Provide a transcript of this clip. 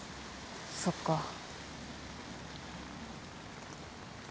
そっか。